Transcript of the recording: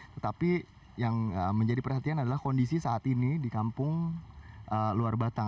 tetapi yang menjadi perhatian adalah kondisi saat ini di kampung luar batang